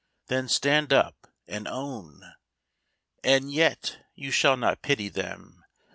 Then stand up and own! And yet you shall not pity them